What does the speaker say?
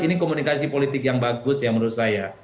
ini komunikasi politik yang bagus ya menurut saya